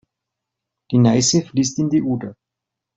Die Neiße fließt in die Oder.